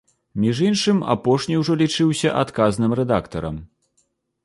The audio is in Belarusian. Між іншым, апошні ўжо лічыўся адказным рэдактарам.